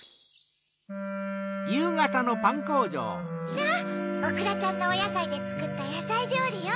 さぁおくらちゃんのおやさいでつくったやさいりょうりよ。